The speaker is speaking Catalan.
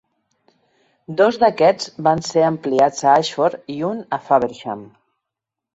Dos d'aquests van ser ampliats a Ashford i un a Faversham.